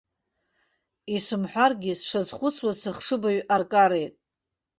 Исымҳәаргьы, сшазхәыцуаз, сыхшыбаҩ аркареит.